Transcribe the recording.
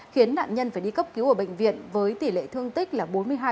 khiến nạn nhân phải đi cấp cứu ở bệnh viện với tỷ lệ thương tích là bốn mươi hai